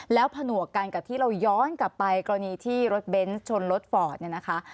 แล้วผนวกกันกับที่เราย้อนกลับไปกรณีที่รถเบนส์ชนรถฟอร์ดเนี่ยนะคะ